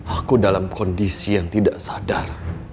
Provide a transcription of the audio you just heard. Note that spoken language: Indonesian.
aku dalam kondisi yang tidak sadar